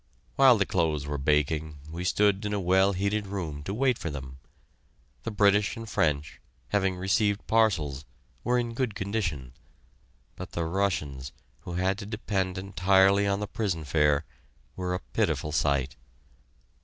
While the clothes were baking, we stood in a well heated room to wait for them. The British and French, having received parcels, were in good condition, but the Russians, who had to depend entirely on the prison fare, were a pitiful sight.